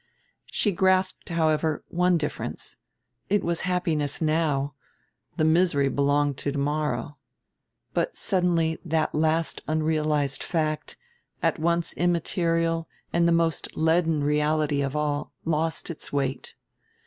She grasped, however, one difference it was happiness now, the misery belonged to tomorrow. But suddenly that last unrealized fact at once immaterial and the most leaden reality of all lost its weight.